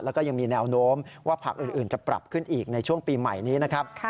แล้วก็ยังมีแนวโน้มว่าผักอื่นจะปรับขึ้นอีกในช่วงปีใหม่นี้นะครับ